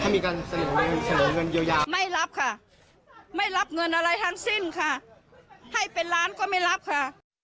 ไม่รับค่ะไม่รับเงินอะไรทั้งสิ้นค่ะให้เป็นล้านก็ไม่รับค่ะ